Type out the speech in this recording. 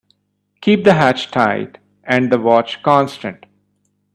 Keep the hatch tight and the watch constant.